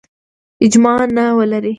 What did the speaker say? اجماع نه ولري.